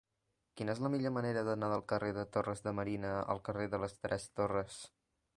Quina és la millor manera d'anar del carrer de Torres de Marina al carrer de les Tres Torres?